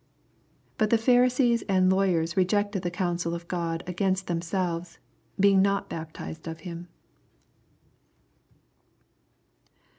80 But the Pharisees and Lawyers rejected the counsel of God against themselves, being not baptized of him.